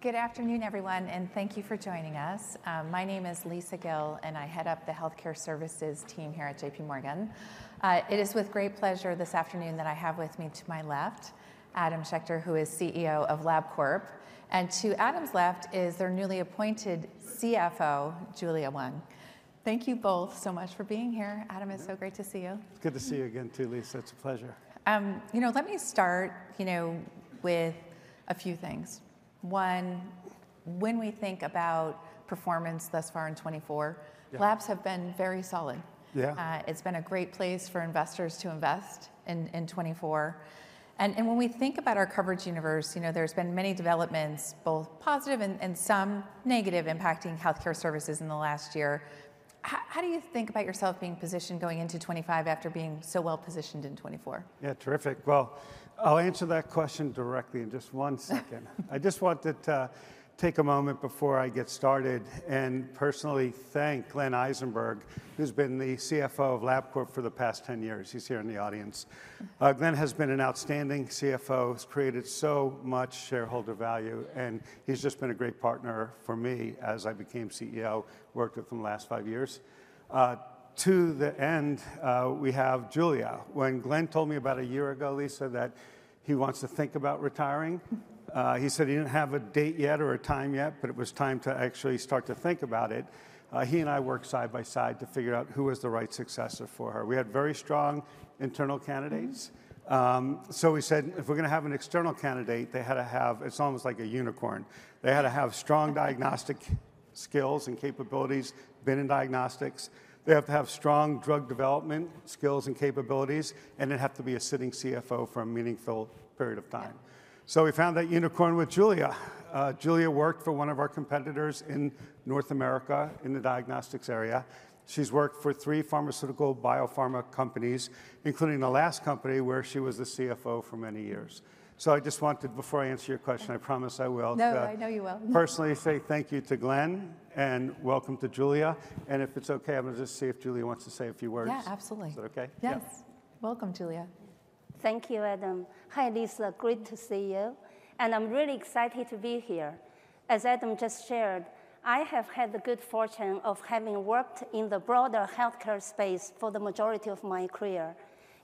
Good afternoon, everyone, and thank you for joining us. My name is Lisa Gill, and I head up the Healthcare Services team here at JPMorgan. It is with great pleasure this afternoon that I have with me to my left Adam Schechter, who is CEO of Labcorp. And to Adam's left is their newly appointed CFO, Julia Wang. Thank you both so much for being here. Adam, it's so great to see you. It's good to see you again too, Lisa. It's a pleasure. You know, let me start, you know, with a few things. One, when we think about performance thus far in 2024, labs have been very solid. Yeah. It's been a great place for investors to invest in 2024, and when we think about our coverage universe, you know, there's been many developments, both positive and some negative, impacting healthcare services in the last year. How do you think about yourself being positioned going into 2025 after being so well positioned in 2024? Yeah, terrific. Well, I'll answer that question directly in just one second. I just wanted to take a moment before I get started and personally thank Glenn Eisenberg, who's been the CFO of Labcorp for the past 10 years. He's here in the audience. Glenn has been an outstanding CFO, has created so much shareholder value, and he's just been a great partner for me as I became CEO, worked with him the last five years. To that end, we have Julia. When Glenn told me about a year ago, Lisa, that he wants to think about retiring, he said he didn't have a date yet or a time yet, but it was time to actually start to think about it. He and I worked side by side to figure out who was the right successor for him. We had very strong internal candidates. So we said, if we're going to have an external candidate, they had to have, it's almost like a unicorn. They had to have strong diagnostic skills and capabilities, been in diagnostics. They have to have strong drug development skills and capabilities, and it has to be a sitting CFO for a meaningful period of time. So we found that unicorn with Julia. Julia worked for one of our competitors in North America in the diagnostics area. She's worked for three pharmaceutical biopharma companies, including the last company where she was the CFO for many years. So I just wanted, before I answer your question, I promise I will. No, I know you will. Personally say thank you to Glenn and welcome to Julia. And if it's okay, I'm going to just see if Julia wants to say a few words. Yeah, absolutely. Is that okay? Yes. Welcome, Julia. Thank you, Adam. Hi, Lisa. Great to see you, and I'm really excited to be here. As Adam just shared, I have had the good fortune of having worked in the broader healthcare space for the majority of my career,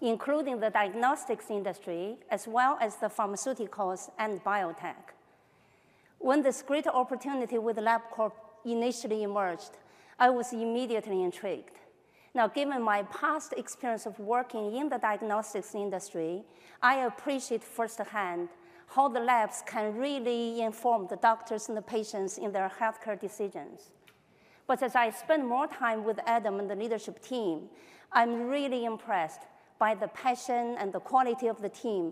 including the diagnostics industry, as well as the pharmaceuticals and biotech. When this great opportunity with Labcorp initially emerged, I was immediately intrigued. Now, given my past experience of working in the diagnostics industry, I appreciate firsthand how the labs can really inform the doctors and the patients in their healthcare decisions, but as I spend more time with Adam and the leadership team, I'm really impressed by the passion and the quality of the team,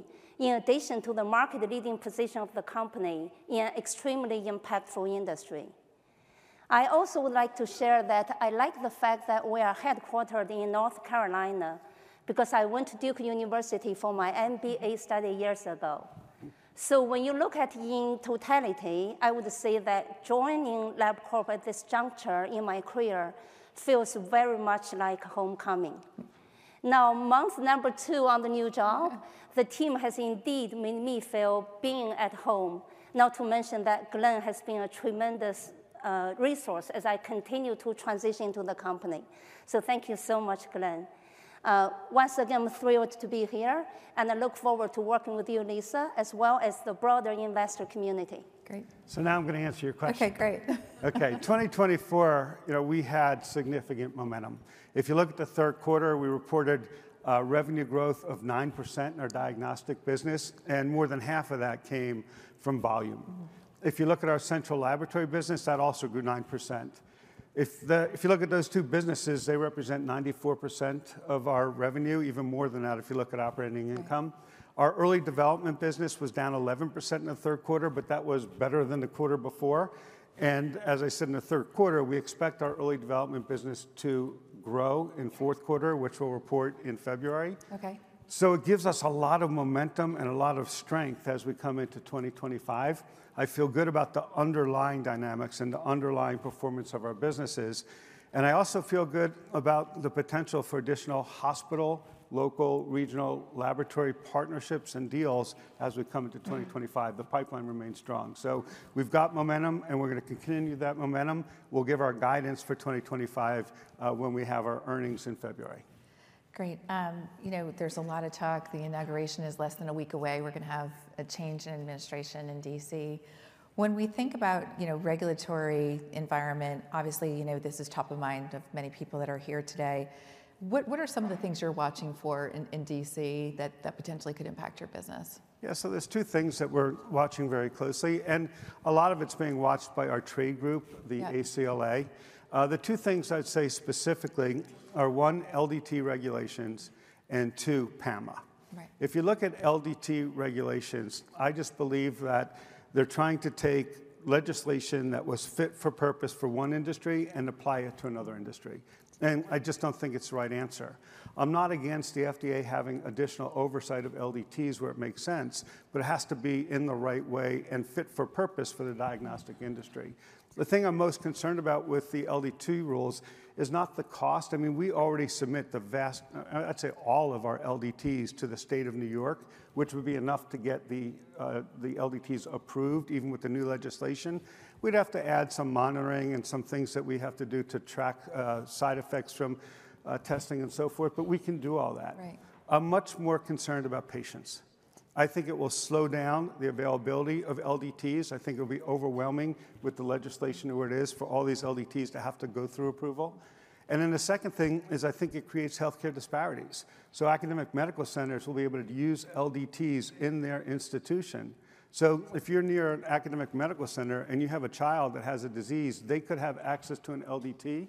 in addition to the market-leading position of the company in an extremely impactful industry. I also would like to share that I like the fact that we are headquartered in North Carolina because I went to Duke University for my MBA study years ago. So when you look at it in totality, I would say that joining Labcorp at this juncture in my career feels very much like homecoming. Now, month number two on the new job, the team has indeed made me feel being at home, not to mention that Glenn has been a tremendous resource as I continue to transition to the company. So thank you so much, Glenn. Once again, I'm thrilled to be here and I look forward to working with you, Lisa, as well as the broader investor community. Great. So now I'm going to answer your question. Okay, great. Okay. 2024, you know, we had significant momentum. If you look at the third quarter, we reported revenue growth of 9% in our Diagnostics business, and more than half of that came from volume. If you look at our Central Laboratory business, that also grew 9%. If you look at those two businesses, they represent 94% of our revenue, even more than that if you look at operating income. Our Early Development business was down 11% in the third quarter, but that was better than the quarter before, and as I said in the third quarter, we expect our Early Development business to grow in fourth quarter, which we'll report in February. Okay. So it gives us a lot of momentum and a lot of strength as we come into 2025. I feel good about the underlying dynamics and the underlying performance of our businesses. And I also feel good about the potential for additional hospital, local, regional laboratory partnerships and deals as we come into 2025. The pipeline remains strong. So we've got momentum, and we're going to continue that momentum. We'll give our guidance for 2025 when we have our earnings in February. Great. You know, there's a lot of talk. The inauguration is less than a week away. We're going to have a change in administration in DC. When we think about, you know, regulatory environment, obviously, you know, this is top of mind of many people that are here today. What are some of the things you're watching for in DC that potentially could impact your business? Yeah, so there's two things that we're watching very closely, and a lot of it's being watched by our trade group, the ACLA. The two things I'd say specifically are, one, LDT regulations, and two, PAMA. Right. If you look at LDT regulations, I just believe that they're trying to take legislation that was fit for purpose for one industry and apply it to another industry, and I just don't think it's the right answer. I'm not against the FDA having additional oversight of LDTs where it makes sense, but it has to be in the right way and fit for purpose for the diagnostic industry. The thing I'm most concerned about with the LDT rules is not the cost. I mean, we already submit the vast, I'd say all of our LDTs to the State of New York, which would be enough to get the LDTs approved even with the new legislation. We'd have to add some monitoring and some things that we have to do to track side effects from testing and so forth, but we can do all that. Right. I'm much more concerned about patients. I think it will slow down the availability of LDTs. I think it'll be overwhelming with the legislation of where it is for all these LDTs to have to go through approval. And then the second thing is I think it creates healthcare disparities. So academic medical centers will be able to use LDTs in their institution. So if you're near an academic medical center and you have a child that has a disease, they could have access to an LDT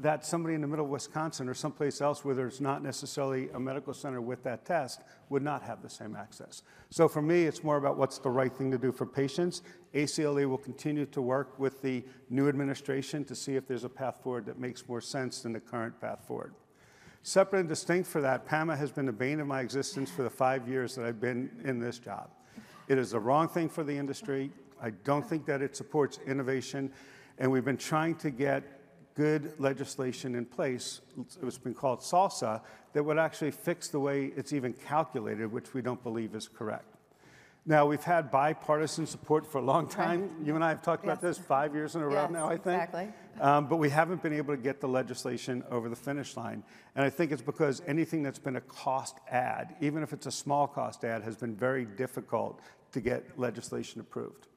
that somebody in the middle of Wisconsin or someplace else where there's not necessarily a medical center with that test would not have the same access. So for me, it's more about what's the right thing to do for patients. ACLA will continue to work with the new administration to see if there's a path forward that makes more sense than the current path forward. Separate and distinct from that, PAMA has been a bane of my existence for the five years that I've been in this job. It is the wrong thing for the industry. I don't think that it supports innovation. And we've been trying to get good legislation in place. It's been called SALSA that would actually fix the way it's even calculated, which we don't believe is correct. Now, we've had bipartisan support for a long time. You and I have talked about this five years in a row now, I think. Exactly. But we haven't been able to get the legislation over the finish line. And I think it's because anything that's been a cost add, even if it's a small cost add, has been very difficult to get legislation approved.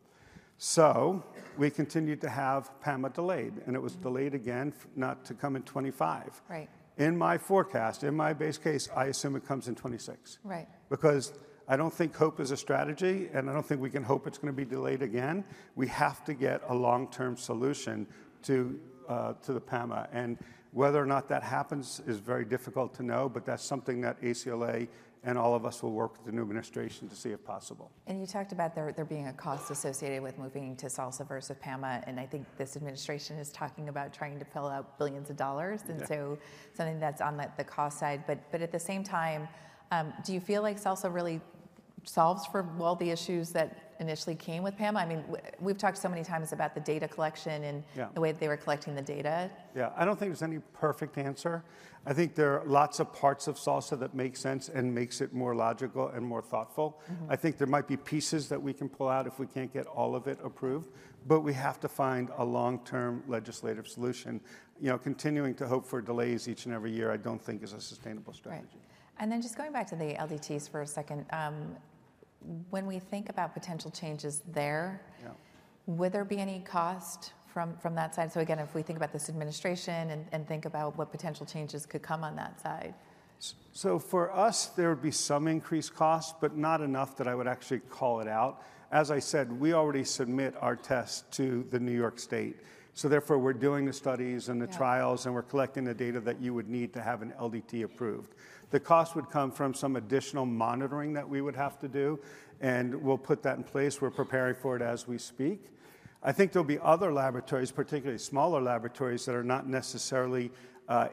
So we continued to have PAMA delayed, and it was delayed again not to come in 2025. Right. In my forecast, in my base case, I assume it comes in 2026. Right. Because I don't think hope is a strategy, and I don't think we can hope it's going to be delayed again. We have to get a long-term solution to the PAMA, and whether or not that happens is very difficult to know, but that's something that ACLA and all of us will work with the new administration to see if possible. And you talked about there being a cost associated with moving to SALSA versus PAMA, and I think this administration is talking about trying to pull out billions of dollars. And so something that's on the cost side. But at the same time, do you feel like SALSA really solves for all the issues that initially came with PAMA? I mean, we've talked so many times about the data collection and the way that they were collecting the data. Yeah, I don't think there's any perfect answer. I think there are lots of parts of SALSA that make sense and make it more logical and more thoughtful. I think there might be pieces that we can pull out if we can't get all of it approved, but we have to find a long-term legislative solution. You know, continuing to hope for delays each and every year, I don't think is a sustainable strategy. Then just going back to the LDTs for a second, when we think about potential changes there, would there be any cost from that side? Again, if we think about this administration and think about what potential changes could come on that side. So for us, there would be some increased cost, but not enough that I would actually call it out. As I said, we already submit our tests to the New York State. So therefore, we're doing the studies and the trials, and we're collecting the data that you would need to have an LDT approved. The cost would come from some additional monitoring that we would have to do, and we'll put that in place. We're preparing for it as we speak. I think there'll be other laboratories, particularly smaller laboratories that are not necessarily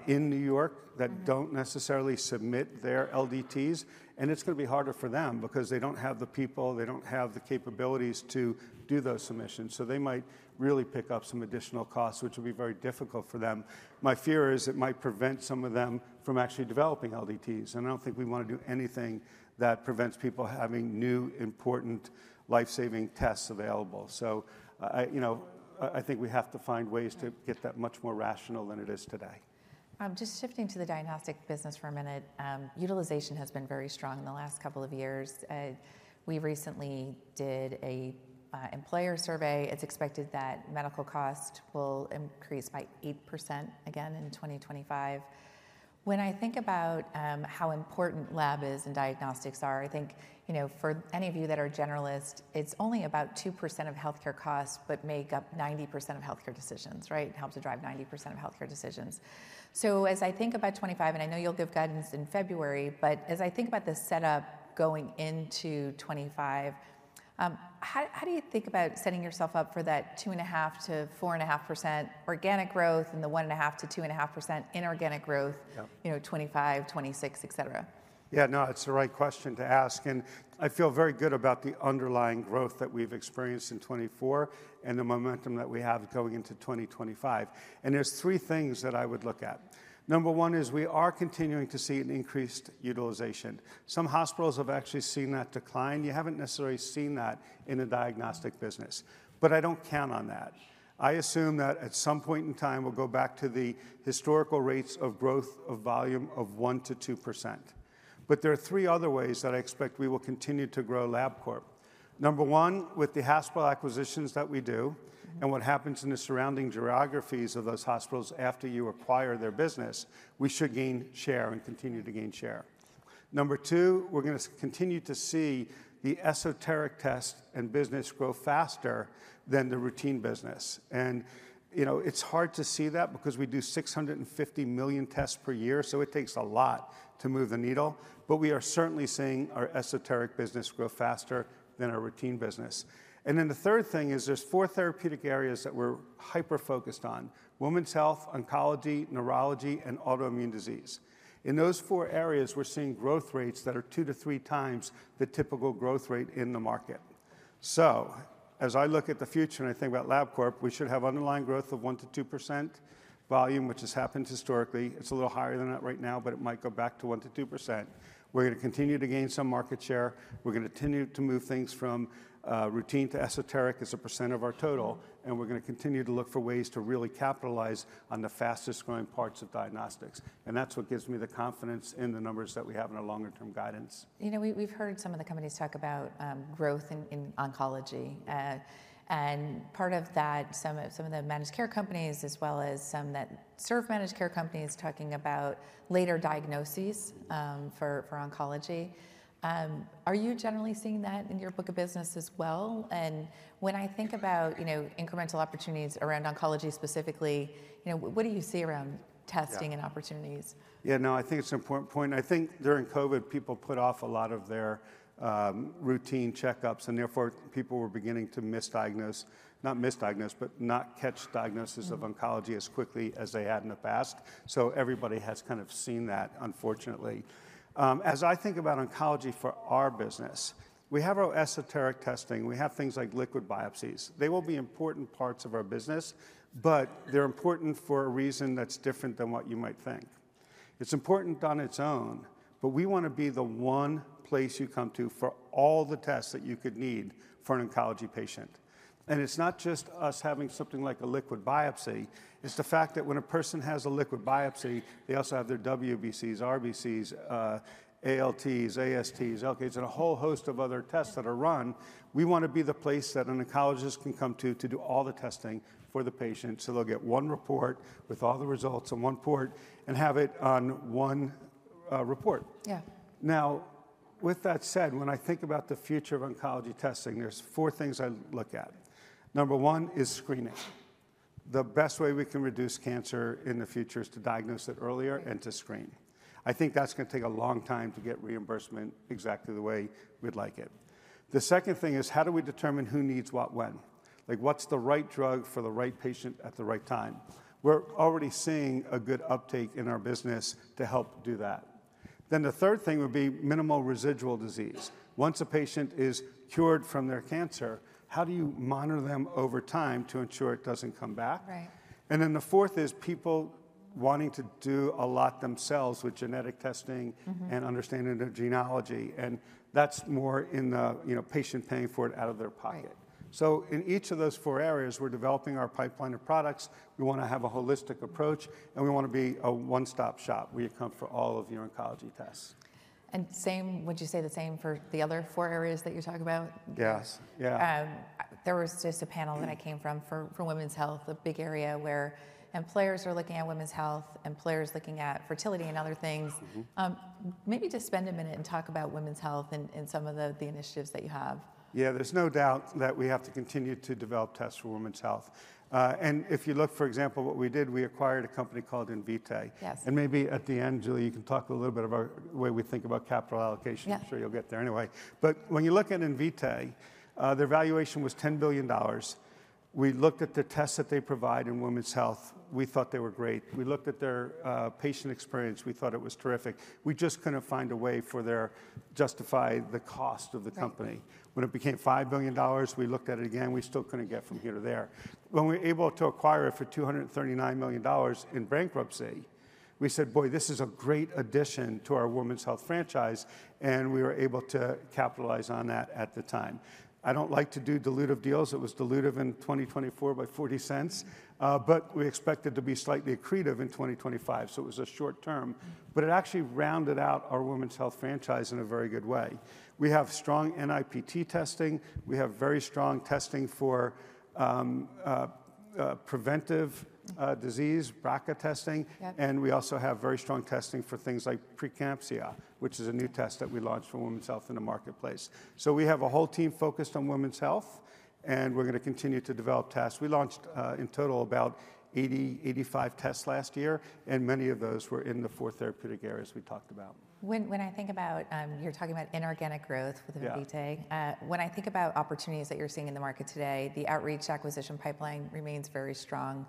in New York that don't necessarily submit their LDTs. And it's going to be harder for them because they don't have the people, they don't have the capabilities to do those submissions. So they might really pick up some additional costs, which will be very difficult for them. My fear is it might prevent some of them from actually developing LDTs. And I don't think we want to do anything that prevents people having new, important life-saving tests available. So, you know, I think we have to find ways to get that much more rational than it is today. Just shifting to the diagnostic business for a minute, utilization has been very strong in the last couple of years. We recently did an employer survey. It's expected that medical costs will increase by 8% again in 2025. When I think about how important lab is and diagnostics are, I think, you know, for any of you that are generalists, it's only about 2% of healthcare costs, but make up 90% of healthcare decisions, right? It helps to drive 90% of healthcare decisions. So as I think about 2025, and I know you'll give guidance in February, but as I think about the setup going into 2025, how do you think about setting yourself up for that 2.5%-4.5% organic growth and the 1.5%-2.5% inorganic growth, you know, 2025, 2026, et cetera? Yeah, no, it's the right question to ask. And I feel very good about the underlying growth that we've experienced in 2024 and the momentum that we have going into 2025. And there's three things that I would look at. Number one is we are continuing to see an increased utilization. Some hospitals have actually seen that decline. You haven't necessarily seen that in the diagnostic business, but I don't count on that. I assume that at some point in time, we'll go back to the historical rates of growth of volume of 1%-2%. But there are three other ways that I expect we will continue to grow Labcorp. Number one, with the hospital acquisitions that we do and what happens in the surrounding geographies of those hospitals after you acquire their business, we should gain share and continue to gain share. Number two, we're going to continue to see the esoteric test and business grow faster than the routine business. And, you know, it's hard to see that because we do 650 million tests per year, so it takes a lot to move the needle. But we are certainly seeing our esoteric business grow faster than our routine business. And then the third thing is there's four therapeutic areas that we're hyper-focused on: women's health, oncology, neurology, and autoimmune disease. In those four areas, we're seeing growth rates that are two to three times the typical growth rate in the market. So as I look at the future and I think about Labcorp, we should have underlying growth of 1%-2% volume, which has happened historically. It's a little higher than that right now, but it might go back to 1%-2%. We're going to continue to gain some market share. We're going to continue to move things from routine to esoteric as a % of our total. And we're going to continue to look for ways to really capitalize on the fastest growing parts of diagnostics. And that's what gives me the confidence in the numbers that we have in our longer-term guidance. You know, we've heard some of the companies talk about growth in oncology. And part of that, some of the managed care companies, as well as some that serve managed care companies talking about later diagnoses for oncology. Are you generally seeing that in your book of business as well? And when I think about, you know, incremental opportunities around oncology specifically, you know, what do you see around testing and opportunities? Yeah, no, I think it's an important point. I think during COVID, people put off a lot of their routine checkups, and therefore people were beginning to misdiagnose, not misdiagnose, but not catch diagnoses of oncology as quickly as they had in the past. So everybody has kind of seen that, unfortunately. As I think about oncology for our business, we have our esoteric testing. We have things like liquid biopsies. They will be important parts of our business, but they're important for a reason that's different than what you might think. It's important on its own, but we want to be the one place you come to for all the tests that you could need for an oncology patient, and it's not just us having something like a liquid biopsy. It's the fact that when a person has a liquid biopsy, they also have their WBCs, RBCs, ALTs, ASTs, Alks, and a whole host of other tests that are run. We want to be the place that an oncologist can come to to do all the testing for the patient, so they'll get one report with all the results on one report and have it on one report. Yeah. Now, with that said, when I think about the future of oncology testing, there's four things I look at. Number one is screening. The best way we can reduce cancer in the future is to diagnose it earlier and to screen. I think that's going to take a long time to get reimbursement exactly the way we'd like it. The second thing is how do we determine who needs what when? Like, what's the right drug for the right patient at the right time? We're already seeing a good uptake in our business to help do that. Then the third thing would be minimal residual disease. Once a patient is cured from their cancer, how do you monitor them over time to ensure it doesn't come back? Right. Then the fourth is people wanting to do a lot themselves with genetic testing and understanding their genealogy. That's more in the, you know, patient paying for it out of their pocket. In each of those four areas, we're developing our pipeline of products. We want to have a holistic approach, and we want to be a one-stop shop where you come for all of your oncology tests. Same, would you say the same for the other four areas that you're talking about? Yes, yeah. There was just a panel that I came from for women's health, a big area where employers are looking at women's health, employers looking at fertility and other things. Maybe just spend a minute and talk about women's health and some of the initiatives that you have. Yeah, there's no doubt that we have to continue to develop tests for women's health, and if you look, for example, what we did, we acquired a company called Invitae. Yes. And maybe at the end, Julia, you can talk a little bit about the way we think about capital allocation. Yeah. I'm sure you'll get there anyway. But when you look at Invitae, their valuation was $10 billion. We looked at the tests that they provide in women's health. We thought they were great. We looked at their patient experience. We thought it was terrific. We just couldn't find a way for their justifying the cost of the company. When it became $5 billion, we looked at it again. We still couldn't get from here to there. When we were able to acquire it for $239 million in bankruptcy, we said, boy, this is a great addition to our women's health franchise. And we were able to capitalize on that at the time. I don't like to do dilutive deals. It was dilutive in 2024 by $0.40, but we expected to be slightly accretive in 2025. So it was a short term, but it actually rounded out our women's health franchise in a very good way. We have strong NIPT testing. We have very strong testing for preventive disease, BRCA testing. And we also have very strong testing for things like preeclampsia, which is a new test that we launched for women's health in the marketplace. So we have a whole team focused on women's health, and we're going to continue to develop tests. We launched in total about 80-85 tests last year, and many of those were in the four therapeutic areas we talked about. When I think about, you're talking about inorganic growth with Invitae. When I think about opportunities that you're seeing in the market today, the outreach acquisition pipeline remains very strong.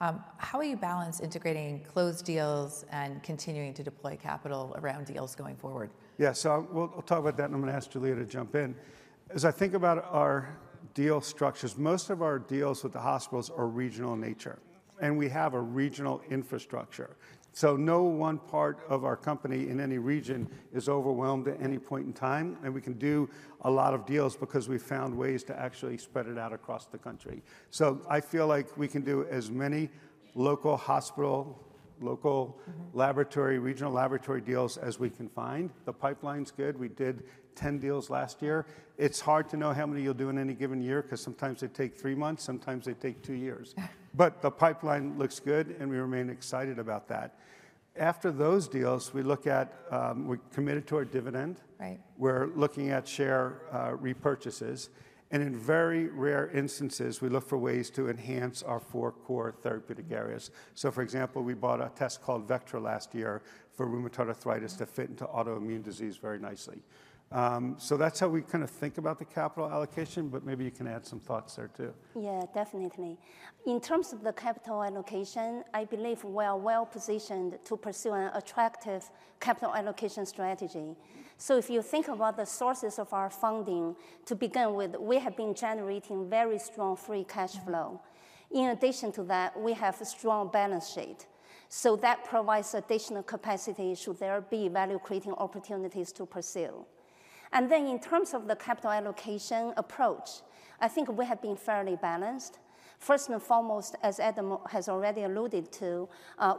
How will you balance integrating closed deals and continuing to deploy capital around deals going forward? Yeah, so we'll talk about that, and I'm going to ask Julia to jump in. As I think about our deal structures, most of our deals with the hospitals are regional in nature, and we have a regional infrastructure. So no one part of our company in any region is overwhelmed at any point in time. And we can do a lot of deals because we found ways to actually spread it out across the country. So I feel like we can do as many local hospital, local laboratory, regional laboratory deals as we can find. The pipeline's good. We did 10 deals last year. It's hard to know how many you'll do in any given year because sometimes they take three months, sometimes they take two years. But the pipeline looks good, and we remain excited about that. After those deals, we look at. We're committed to our dividend. Right. We're looking at share repurchases. And in very rare instances, we look for ways to enhance our four core therapeutic areas. So for example, we bought a test called Vectra last year for rheumatoid arthritis to fit into autoimmune disease very nicely. So that's how we kind of think about the capital allocation, but maybe you can add some thoughts there too. Yeah, definitely. In terms of the capital allocation, I believe we are well positioned to pursue an attractive capital allocation strategy. So if you think about the sources of our funding, to begin with, we have been generating very strong free cash flow. In addition to that, we have a strong balance sheet. So that provides additional capacity should there be value-creating opportunities to pursue. And then in terms of the capital allocation approach, I think we have been fairly balanced. First and foremost, as Adam has already alluded to,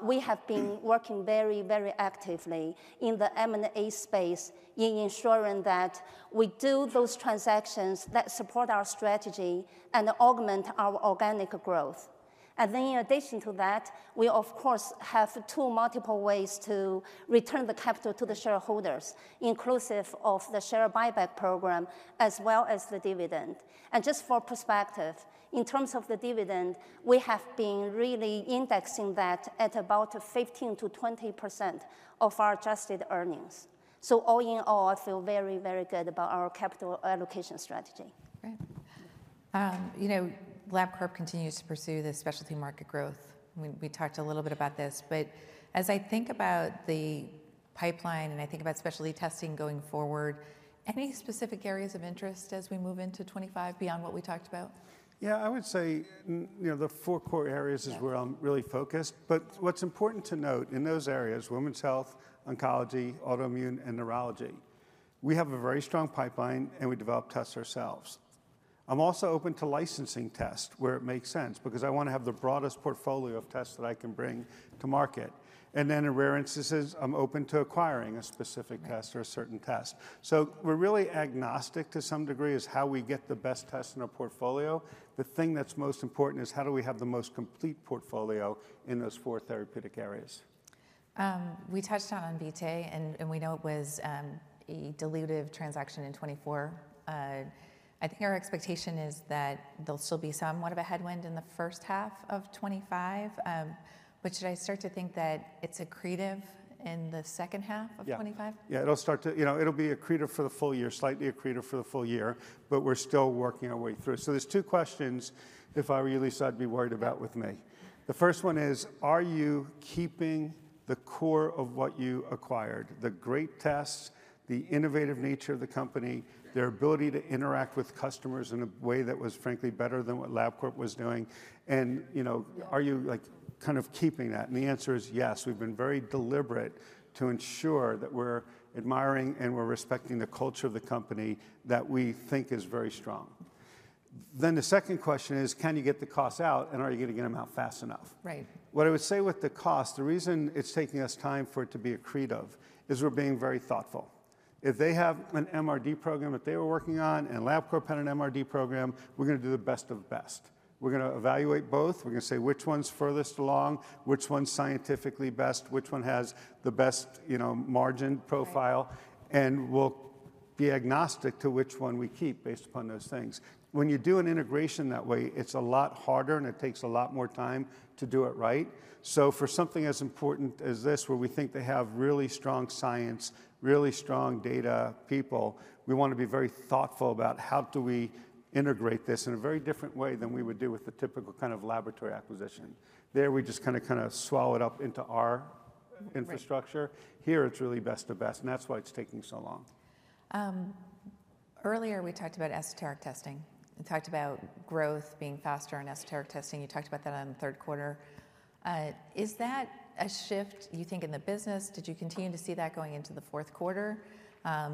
we have been working very, very actively in the M&A space in ensuring that we do those transactions that support our strategy and augment our organic growth. And then in addition to that, we, of course, have two multiple ways to return the capital to the shareholders, inclusive of the share buyback program, as well as the dividend. And just for perspective, in terms of the dividend, we have been really indexing that at about 15%-20% of our adjusted earnings. So all in all, I feel very, very good about our capital allocation strategy. Right. You know, Labcorp continues to pursue the specialty market growth. We talked a little bit about this, but as I think about the pipeline and I think about specialty testing going forward, any specific areas of interest as we move into 2025 beyond what we talked about? Yeah, I would say, you know, the four core areas is where I'm really focused. But what's important to note in those areas, women's health, oncology, autoimmune, and neurology, we have a very strong pipeline, and we develop tests ourselves. I'm also open to licensing tests where it makes sense because I want to have the broadest portfolio of tests that I can bring to market. And then in rare instances, I'm open to acquiring a specific test or a certain test. So we're really agnostic to some degree as how we get the best test in our portfolio. The thing that's most important is how do we have the most complete portfolio in those four therapeutic areas? We touched on Invitae, and we know it was a dilutive transaction in 2024. I think our expectation is that there'll still be somewhat of a headwind in the first half of 2025, but should I start to think that it's accretive in the second half of 2025? Yeah, yeah, it'll start to, you know, it'll be accretive for the full year, slightly accretive for the full year, but we're still working our way through. So there's two questions that if I were you, Lisa, I'd be worried about with me. The first one is, are you keeping the core of what you acquired, the great tests, the innovative nature of the company, their ability to interact with customers in a way that was, frankly, better than what Labcorp was doing? And, you know, are you like kind of keeping that? And the answer is yes. We've been very deliberate to ensure that we're admiring and we're respecting the culture of the company that we think is very strong. Then the second question is, can you get the costs out, and are you going to get them out fast enough? Right. What I would say with the cost, the reason it's taking us time for it to be accretive is we're being very thoughtful. If they have an MRD program that they were working on and Labcorp had an MRD program, we're going to do the best of the best. We're going to evaluate both. We're going to say which one's furthest along, which one's scientifically best, which one has the best, you know, margin profile, and we'll be agnostic to which one we keep based upon those things. When you do an integration that way, it's a lot harder, and it takes a lot more time to do it right. So for something as important as this, where we think they have really strong science, really strong data people, we want to be very thoughtful about how do we integrate this in a very different way than we would do with the typical kind of laboratory acquisition. There we just kind of swallow it up into our infrastructure. Here it's really best of best, and that's why it's taking so long. Earlier we talked about esoteric testing and talked about growth being faster in esoteric testing. You talked about that on the third quarter. Is that a shift, you think, in the business? Did you continue to see that going into the fourth quarter?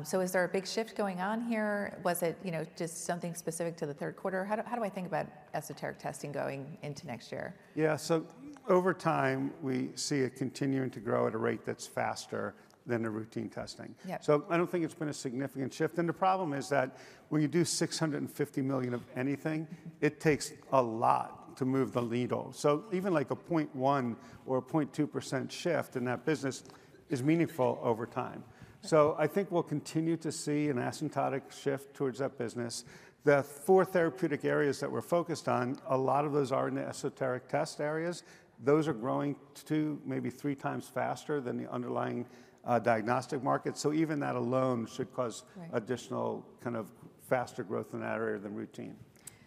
So is there a big shift going on here? Was it, you know, just something specific to the third quarter? How do I think about esoteric testing going into next year? Yeah, so over time we see it continuing to grow at a rate that's faster than the routine testing. Yeah. So I don't think it's been a significant shift. And the problem is that when you do 650 million of anything, it takes a lot to move the needle. So even like a 0.1% or 0.2% shift in that business is meaningful over time. So I think we'll continue to see an asymptotic shift towards that business. The four therapeutic areas that we're focused on, a lot of those are in the esoteric test areas. Those are growing two, maybe three times faster than the underlying diagnostic market. So even that alone should cause additional kind of faster growth in that area than routine.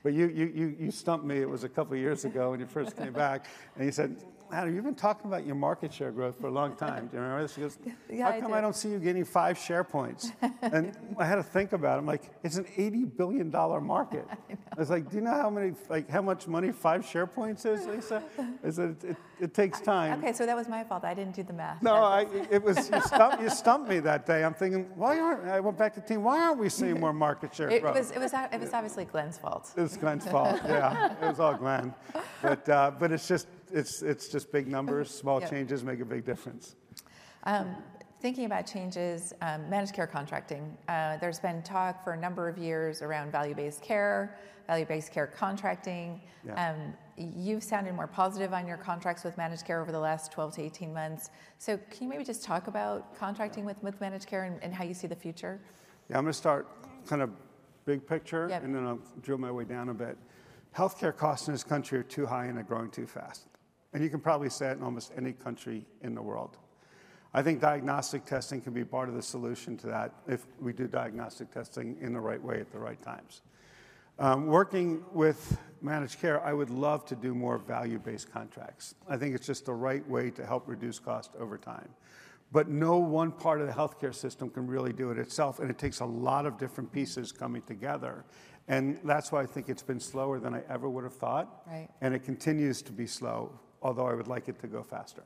But you stumped me. It was a couple of years ago when you first came back, and you said, Adam, you've been talking about your market share growth for a long time. Do you remember this? He goes, "How come I don't see you getting five share points?" And I had to think about it. I'm like, "It's an $80 billion market." I was like, "Do you know how many, like how much money five share points is, Lisa?" I said, "It takes time. Okay, so that was my fault. I didn't do the math. No, you stumped me that day. I'm thinking, why didn't we go back to the team? Why aren't we seeing more market share growth? It was obviously Glenn's fault. It was Glenn's fault, yeah. It was all Glenn. But it's just, it's just big numbers. Small changes make a big difference. Thinking about changes, managed care contracting. There's been talk for a number of years around value-based care, value-based care contracting. You've sounded more positive on your contracts with managed care over the last 12-18 months. So can you maybe just talk about contracting with managed care and how you see the future? Yeah, I'm going to start kind of big picture and then I'll drill my way down a bit. Healthcare costs in this country are too high and are growing too fast. And you can probably say that in almost any country in the world. I think diagnostic testing can be part of the solution to that if we do diagnostic testing in the right way at the right times. Working with managed care, I would love to do more value-based contracts. I think it's just the right way to help reduce cost over time. But no one part of the healthcare system can really do it itself, and it takes a lot of different pieces coming together. And that's why I think it's been slower than I ever would have thought. Right. And it continues to be slow, although I would like it to go faster.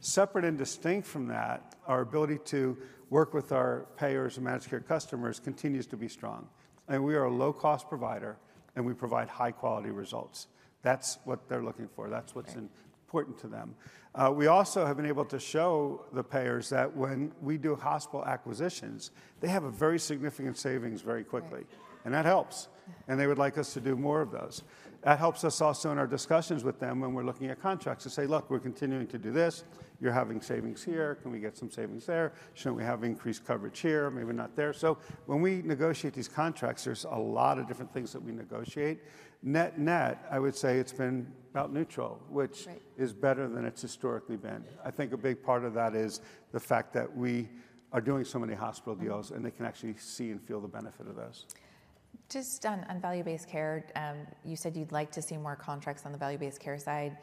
Separate and distinct from that, our ability to work with our payers and managed care customers continues to be strong. And we are a low-cost provider, and we provide high-quality results. That's what they're looking for. That's what's important to them. We also have been able to show the payers that when we do hospital acquisitions, they have a very significant savings very quickly. And that helps. And they would like us to do more of those. That helps us also in our discussions with them when we're looking at contracts to say, look, we're continuing to do this. You're having savings here. Can we get some savings there? Shouldn't we have increased coverage here? Maybe not there. So when we negotiate these contracts, there's a lot of different things that we negotiate. Net net, I would say it's been about neutral, which is better than it's historically been. I think a big part of that is the fact that we are doing so many hospital deals, and they can actually see and feel the benefit of those. Just on value-based care, you said you'd like to see more contracts on the value-based care side.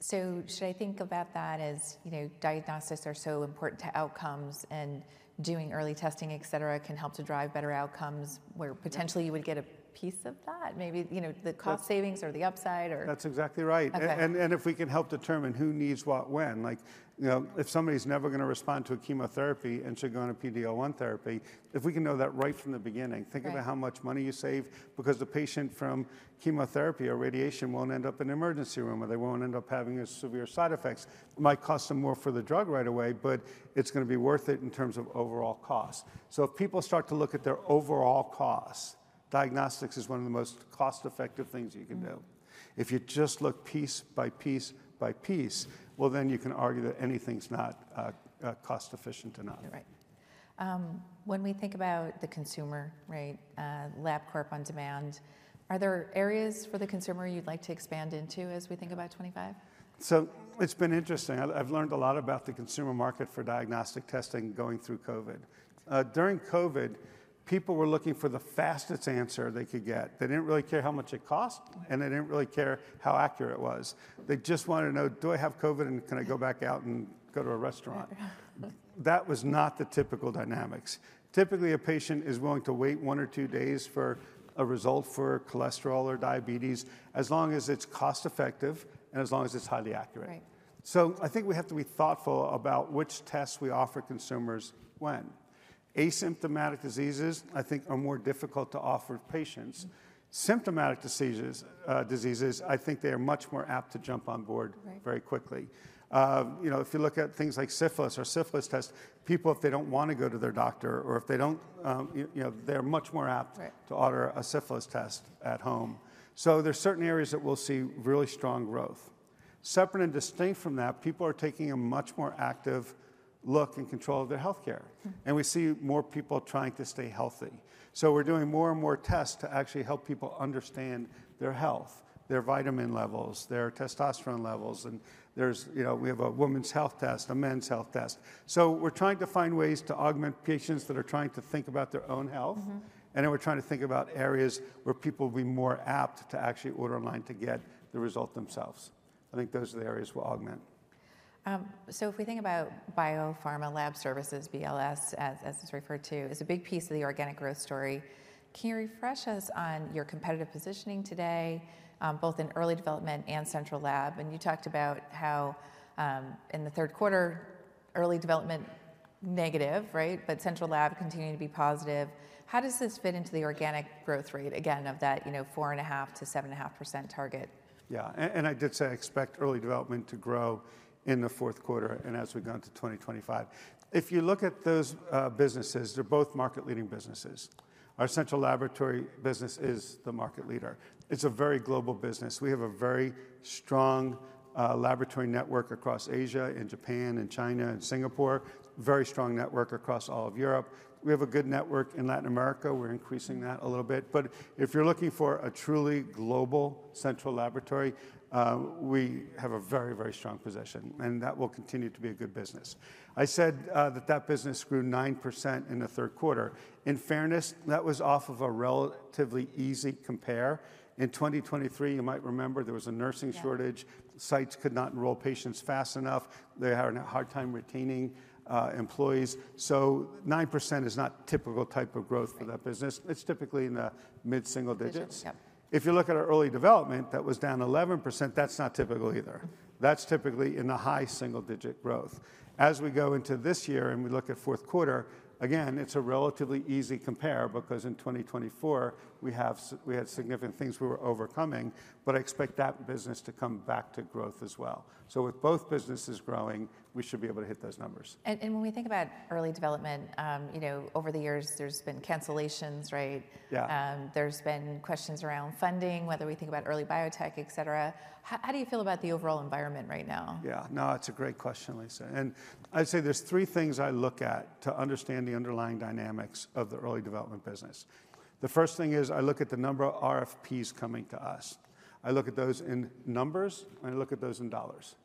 So should I think about that as, you know, diagnostics are so important to outcomes and doing early testing, et cetera, can help to drive better outcomes where potentially you would get a piece of that, maybe, you know, the cost savings or the upside or? That's exactly right, and if we can help determine who needs what when, like, you know, if somebody's never going to respond to a chemotherapy and should go on a PD-L1 therapy, if we can know that right from the beginning, think about how much money you save because the patient from chemotherapy or radiation won't end up in the emergency room or they won't end up having as severe side effects. It might cost them more for the drug right away, but it's going to be worth it in terms of overall cost, so if people start to look at their overall cost, diagnostics is one of the most cost-effective things you can do. If you just look piece by piece by piece, well, then you can argue that anything's not cost-efficient enough. Right. When we think about the consumer, right, Labcorp OnDemand, are there areas for the consumer you'd like to expand into as we think about 2025? So it's been interesting. I've learned a lot about the consumer market for diagnostic testing going through COVID. During COVID, people were looking for the fastest answer they could get. They didn't really care how much it cost, and they didn't really care how accurate it was. They just wanted to know, do I have COVID and can I go back out and go to a restaurant? That was not the typical dynamics. Typically, a patient is willing to wait one or two days for a result for cholesterol or diabetes as long as it's cost-effective and as long as it's highly accurate. So I think we have to be thoughtful about which tests we offer consumers when. Asymptomatic diseases, I think, are more difficult to offer patients. Symptomatic diseases, I think they are much more apt to jump on board very quickly. You know, if you look at things like syphilis or syphilis test, people, if they don't want to go to their doctor or if they don't, you know, they're much more apt to order a syphilis test at home. So there's certain areas that we'll see really strong growth. Separate and distinct from that, people are taking a much more active look and control of their healthcare. And we see more people trying to stay healthy. So we're doing more and more tests to actually help people understand their health, their vitamin levels, their testosterone levels. And there's, you know, we have a women's health test, a men's health test. So we're trying to find ways to augment patients that are trying to think about their own health. And then we're trying to think about areas where people will be more apt to actually order online to get the result themselves. I think those are the areas we'll augment. If we think about biopharma lab services, BLS, as it's referred to, is a big piece of the organic growth story. Can you refresh us on your competitive positioning today, both in early development and central lab? And you talked about how in the third quarter, early development negative, right, but central lab continuing to be positive. How does this fit into the organic growth rate, again, of that, you know, 4.5%-7.5% target? Yeah, and I did say expect early development to grow in the fourth quarter and as we go into 2025. If you look at those businesses, they're both market-leading businesses. Our Central Laboratory business is the market leader. It's a very global business. We have a very strong laboratory network across Asia and Japan and China and Singapore, very strong network across all of Europe. We have a good network in Latin America. We're increasing that a little bit, but if you're looking for a truly global central laboratory, we have a very, very strong position, and that will continue to be a good business. I said that that business grew 9% in the third quarter. In fairness, that was off of a relatively easy compare. In 2023, you might remember there was a nursing shortage. Sites could not enroll patients fast enough. They had a hard time retaining employees. So 9% is not a typical type of growth for that business. It's typically in the mid-single digits. If you look at our early development, that was down 11%. That's not typical either. That's typically in the high single-digit growth. As we go into this year and we look at fourth quarter, again, it's a relatively easy compare because in 2024, we had significant things we were overcoming, but I expect that business to come back to growth as well. So with both businesses growing, we should be able to hit those numbers. When we think about early development, you know, over the years, there's been cancellations, right? Yeah. There's been questions around funding, whether we think about early biotech, et cetera. How do you feel about the overall environment right now? Yeah. No, it's a great question, Lisa. And I'd say there's three things I look at to understand the underlying dynamics of the Early Development business. The first thing is I look at the number of RFPs coming to us. I look at those in numbers, and I look at those in dollars.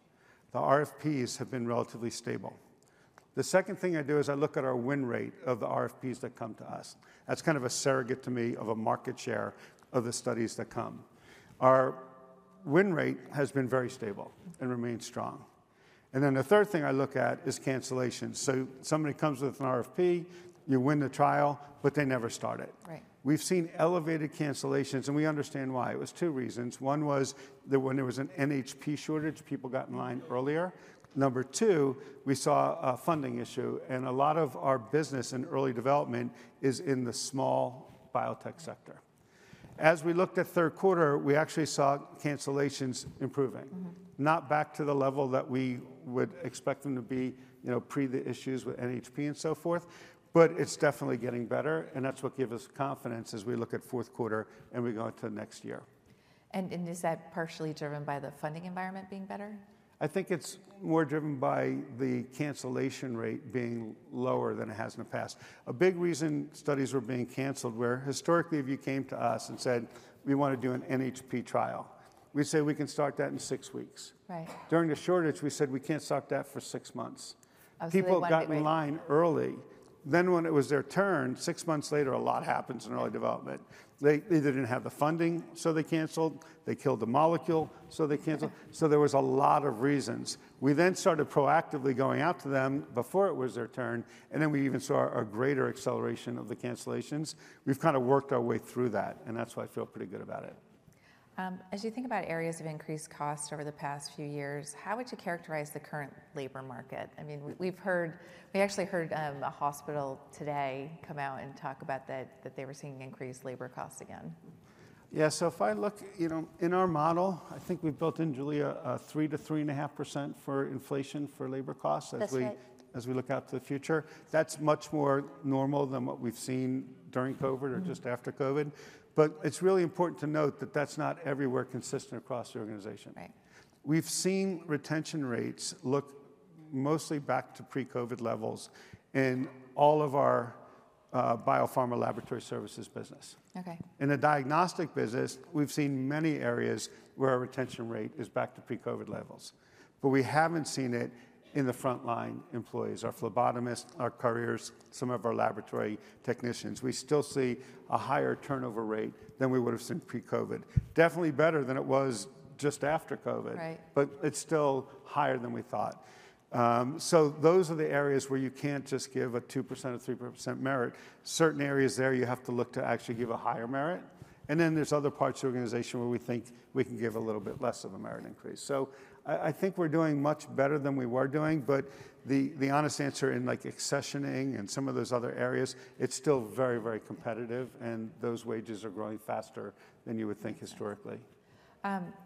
The RFPs have been relatively stable. The second thing I do is I look at our win rate of the RFPs that come to us. That's kind of a surrogate to me of a market share of the studies that come. Our win rate has been very stable and remains strong. And then the third thing I look at is cancellations. So somebody comes with an RFP, you win the trial, but they never start it. We've seen elevated cancellations, and we understand why. It was two reasons. One was that when there was an NHP shortage, people got in line earlier. Number two, we saw a funding issue, and a lot of our business in early development is in the small biotech sector. As we looked at third quarter, we actually saw cancellations improving, not back to the level that we would expect them to be, you know, pre the issues with NHP and so forth, but it's definitely getting better. And that's what gives us confidence as we look at fourth quarter and we go into the next year. Is that partially driven by the funding environment being better? I think it's more driven by the cancellation rate being lower than it has in the past. A big reason studies were being canceled, where historically if you came to us and said, we want to do an NHP trial, we'd say we can start that in six weeks. During the shortage, we said we can't start that for six months. People got in line early. Then when it was their turn, six months later, a lot happens in early development. They either didn't have the funding, so they canceled. They killed the molecule, so they canceled. So there was a lot of reasons. We then started proactively going out to them before it was their turn. And then we even saw a greater acceleration of the cancellations. We've kind of worked our way through that, and that's why I feel pretty good about it. As you think about areas of increased cost over the past few years, how would you characterize the current labor market? I mean, we've heard, we actually heard a hospital today come out and talk about that they were seeing increased labor costs again. Yeah. So if I look, you know, in our model, I think we've built in, Julia, a 3%-3.5% for inflation for labor costs as we look out to the future. That's much more normal than what we've seen during COVID or just after COVID. But it's really important to note that that's not everywhere consistent across the organization. We've seen retention rates look mostly back to pre-COVID levels in all of our biopharma laboratory services business. In the Diagnostics business, we've seen many areas where our retention rate is back to pre-COVID levels. But we haven't seen it in the frontline employees, our phlebotomists, our couriers, some of our laboratory technicians. We still see a higher turnover rate than we would have seen pre-COVID. Definitely better than it was just after COVID, but it's still higher than we thought. So those are the areas where you can't just give a 2% or 3% merit. Certain areas there you have to look to actually give a higher merit. And then there's other parts of the organization where we think we can give a little bit less of a merit increase. So I think we're doing much better than we were doing. But the honest answer in like accessioning and some of those other areas, it's still very, very competitive, and those wages are growing faster than you would think historically.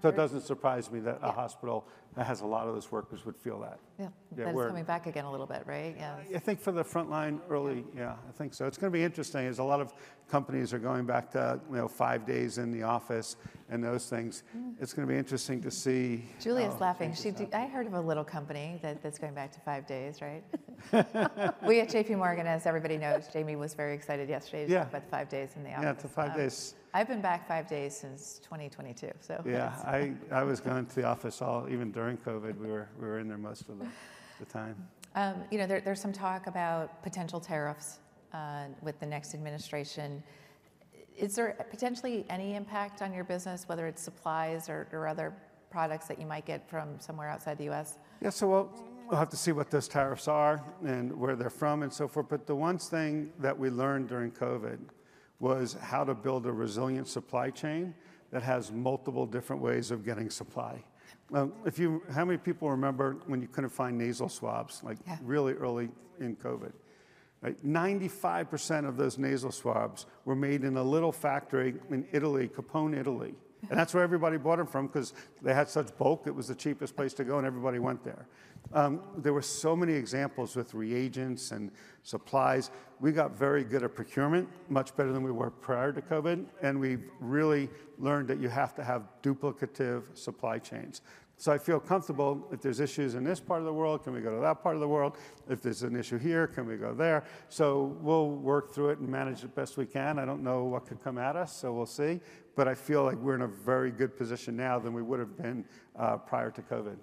So it doesn't surprise me that a hospital that has a lot of those workers would feel that. Yeah. That's coming back again a little bit, right? Yeah. I think for the frontline early, yeah, I think so. It's going to be interesting as a lot of companies are going back to, you know, five days in the office and those things. It's going to be interesting to see. Julia's laughing. I heard of a little company that's going back to five days, right? We at JPMorgan, as everybody knows, Jamie was very excited yesterday to talk about the five days in the office. Yeah, it's the five days. I've been back five days since 2022, so. Yeah. I was going to the office, even during COVID. We were in there most of the time. You know, there's some talk about potential tariffs with the next administration. Is there potentially any impact on your business, whether it's supplies or other products that you might get from somewhere outside the U.S.? Yeah. So we'll have to see what those tariffs are and where they're from and so forth. But the one thing that we learned during COVID was how to build a resilient supply chain that has multiple different ways of getting supply. If you, how many people remember when you couldn't find nasal swabs like really early in COVID? 95% of those nasal swabs were made in a little factory in Italy, Copan, Italy. And that's where everybody bought them from because they had such bulk. It was the cheapest place to go, and everybody went there. There were so many examples with reagents and supplies. We got very good at procurement, much better than we were prior to COVID. And we've really learned that you have to have duplicative supply chains. So I feel comfortable if there's issues in this part of the world, can we go to that part of the world? If there's an issue here, can we go there? So we'll work through it and manage it best we can. I don't know what could come at us, so we'll see. But I feel like we're in a very good position now than we would have been prior to COVID.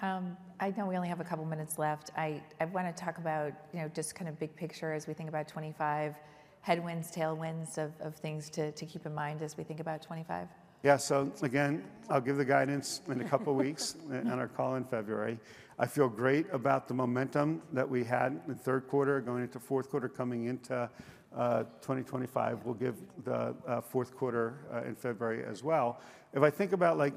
I know we only have a couple of minutes left. I want to talk about, you know, just kind of big picture as we think about 2025, headwinds, tailwinds of things to keep in mind as we think about 2025. Yeah. So again, I'll give the guidance in a couple of weeks and our call in February. I feel great about the momentum that we had in third quarter going into fourth quarter, coming into 2025. We'll give the fourth quarter in February as well. If I think about like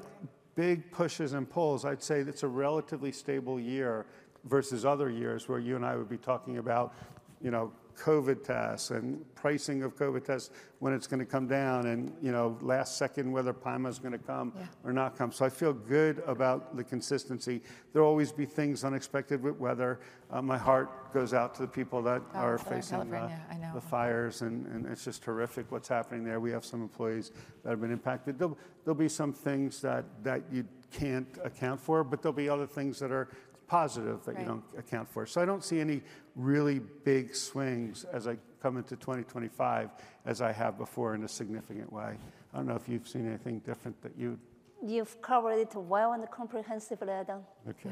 big pushes and pulls, I'd say it's a relatively stable year versus other years where you and I would be talking about, you know, COVID tests and pricing of COVID tests, when it's going to come down and, you know, last second whether pneumonia is going to come or not come. So I feel good about the consistency. There will always be things unexpected with weather. My heart goes out to the people that are facing the fires. And it's just horrific what's happening there. We have some employees that have been impacted. There'll be some things that you can't account for, but there'll be other things that are positive that you don't account for. So I don't see any really big swings as I come into 2025 as I have before in a significant way. I don't know if you've seen anything different that you. You've covered it well in the comprehensive letter.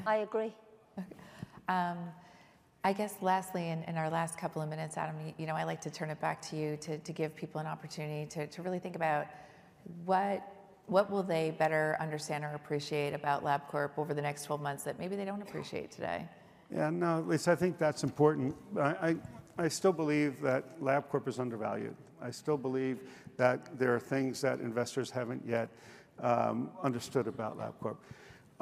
I agree. I guess lastly, in our last couple of minutes, Adam, you know, I like to turn it back to you to give people an opportunity to really think about what will they better understand or appreciate about Labcorp over the next 12 months that maybe they don't appreciate today. Yeah. No, Lisa, I think that's important. I still believe that Labcorp is undervalued. I still believe that there are things that investors haven't yet understood about Labcorp.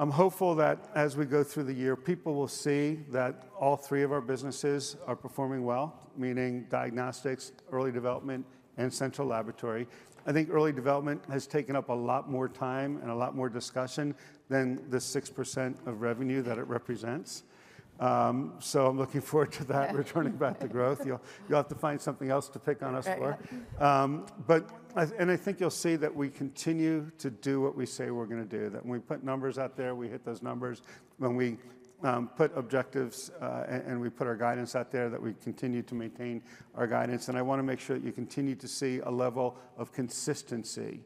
I'm hopeful that as we go through the year, people will see that all three of our businesses are performing well, meaning diagnostics, early development, and central laboratory. I think early development has taken up a lot more time and a lot more discussion than the 6% of revenue that it represents. So I'm looking forward to that returning back to growth. You'll have to find something else to pick on us for. But, and I think you'll see that we continue to do what we say we're going to do. That when we put numbers out there, we hit those numbers. When we put objectives and we put our guidance out there, that we continue to maintain our guidance. I want to make sure that you continue to see a level of consistency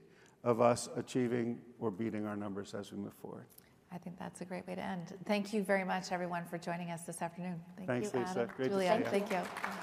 of us achieving or beating our numbers as we move forward. I think that's a great way to end. Thank you very much, everyone, for joining us this afternoon. Thank you, Lisa. Thank you, Julia. Thank you.